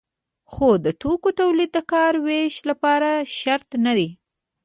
خو د توکو تولید د کار ویش لپاره شرط نه دی.